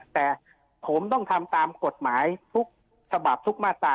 แต่ผมต้องทำตามกฎหมายทุกฉบับทุกมาตรา